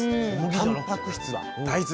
たんぱく質は大豆。